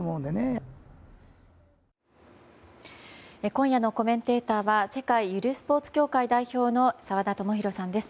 今夜のコメンテーターは世界ゆるスポーツ協会代表の澤田智洋さんです。